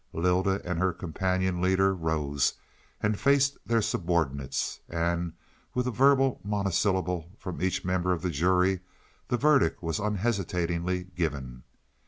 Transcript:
Lylda and her companion leader rose and faced their subordinates, and with a verbal monosyllable from each member of the jury the verdict was unhesitatingly given.